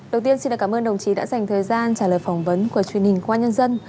đầu tiên xin cảm ơn đồng chí đã dành thời gian trả lời phỏng vấn của truyền hình công an nhân dân